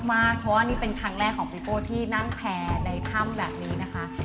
เพราะว่านี่เป็นครั้งแรกของพี่โป้ที่นั่งแพร่ในถ้ำแบบนี้นะคะ